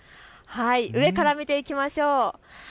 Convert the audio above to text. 上から見ていきましょう。